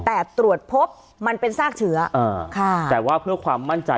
แต่ตรวจพบมันเป็นซากเชื้ออ่าค่ะแต่ว่าเพื่อความมั่นใจ